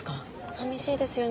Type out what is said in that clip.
寂しいですよね。